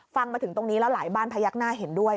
ฟังมาถึงตรงนี้แล้วหลายบ้านพยักหน้าเห็นด้วย